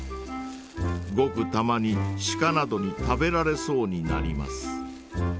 ごくたまにシカなどに食べられそうになります。